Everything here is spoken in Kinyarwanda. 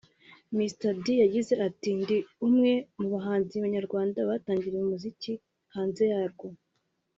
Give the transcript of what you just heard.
Mr D yagize ati “ Ndi umwe mu bahanzi nyarwanda batangiriye umuziki hanze yarwo